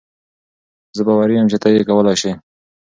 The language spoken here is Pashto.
زۀ باوري يم چې تۀ یې کولای شې.